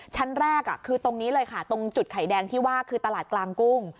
ชั้นแรกคือตรงนี้เลยค่ะตรงจุดไข่แดงที่ว่าคือตลาดกลางกุ้ง